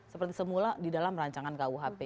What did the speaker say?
seperti semula di dalam rancangan kuhp